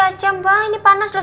aja mbak ini panas loh